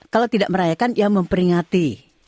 kalau tidak merayakan ya memperingati